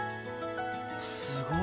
すごい！